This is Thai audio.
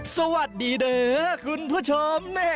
สวัสดีเด้อคุณผู้ชม